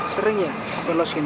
sering ya bolos gini